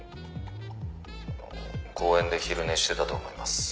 「公園で昼寝してたと思います」